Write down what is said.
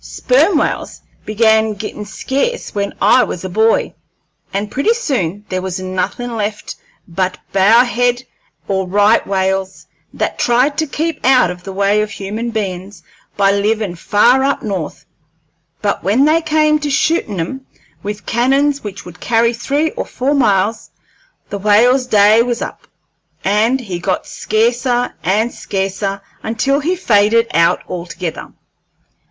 Sperm whales began gittin' scarce when I was a boy, and pretty soon there was nothin' left but bow head or right whales, that tried to keep out of the way of human bein's by livin' far up North; but when they came to shootin' 'em with cannons which would carry three or four miles, the whale's day was up, and he got scarcer and scarcer, until he faded out altogether.